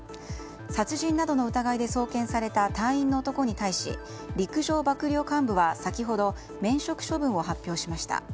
殺人などの疑いで送検された隊員の男に対し陸上幕僚監部は先ほど免職処分を発表しました。